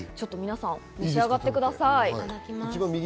召し上がってください。